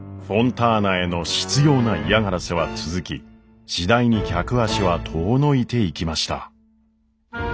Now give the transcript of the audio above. ターナへの執ような嫌がらせは続き次第に客足は遠のいていきました。